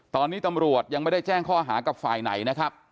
ตอนนี้ตำรวจยังไม่ได้แจ้งข้อหากับฝ่ายไหนนะครับ